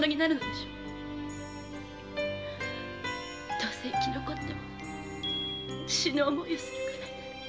どうせ生き残っても死ぬ思いをするのなら。